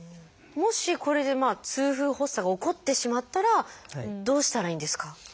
もしこれで痛風発作が起こってしまったらどうしたらいいんですか？